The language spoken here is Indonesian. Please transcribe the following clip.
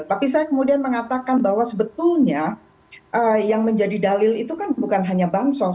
tapi saya kemudian mengatakan bahwa sebetulnya yang menjadi dalil itu kan bukan hanya bansos